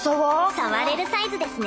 触れるサイズですね。